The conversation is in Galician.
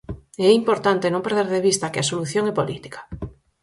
E é importante non perder de vista que a solución é política.